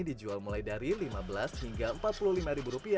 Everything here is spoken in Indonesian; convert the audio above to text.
dijual mulai dari rp lima belas hingga rp empat puluh lima